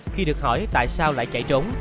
khi được hỏi tại sao lại chạy trốn